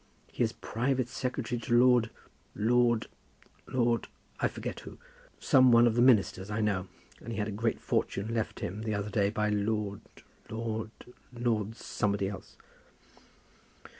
"He is private secretary to Lord Lord Lord I forget who. Some one of the Ministers, I know. And he had a great fortune left him the other day by Lord Lord Lord somebody else."